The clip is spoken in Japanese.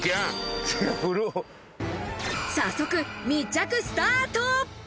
早速、密着スタート！